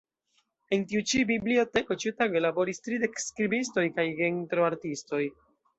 En tiu ĉi biblioteko ĉiutage laboris tridek skribistoj kaj gentro-artistoj.